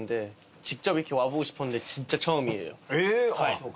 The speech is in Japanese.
そうか。